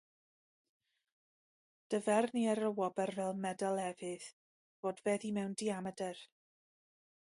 Dyfernir y wobr fel medal efydd, fodfeddi mewn diamedr.